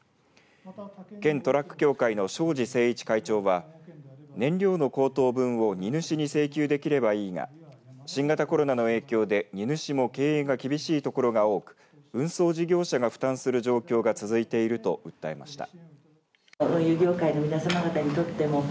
県トラック協会の庄子清一会長は燃料の高騰分を荷主に請求できればいいが新型コロナの影響で荷主も経営が厳しい所が多く運送事業者が負担する状況が続いていると訴えました。